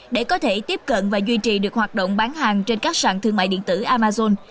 để có thể tiếp cận và duy trì được hoạt động bán hàng trên các sàn thương mại điện tử amazon